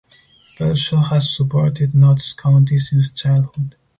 Belshaw has supported Notts County since childhood.